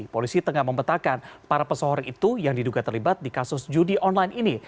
polisi tengah membetakan para pesohor itu yang diduga terlibat di kasus judi online ini